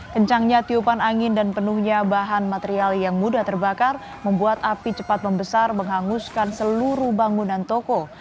kencangnya tiupan angin dan penuhnya bahan material yang mudah terbakar membuat api cepat membesar menghanguskan seluruh bangunan toko